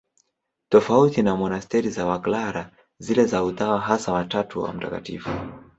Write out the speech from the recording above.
Tofauti na monasteri za Waklara, zile za Utawa Hasa wa Tatu wa Mt.